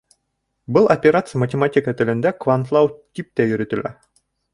Был операция математика телендә квантлау, тип тә йөрөтөлә.